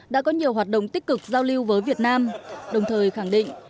đã có nhiều hoạt động tích cực giao lưu với việt nam đồng thời khẳng định